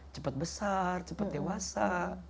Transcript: cepat besar cepat dewasa